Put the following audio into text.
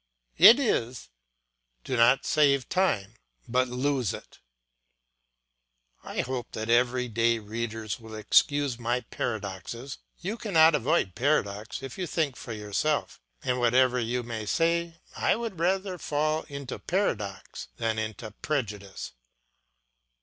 It is: Do not save time, but lose it. I hope that every day readers will excuse my paradoxes; you cannot avoid paradox if you think for yourself, and whatever you may say I would rather fall into paradox than into prejudice.